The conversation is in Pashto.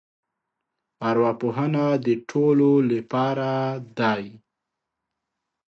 ارواپوهنه د ټولو لپاره دی.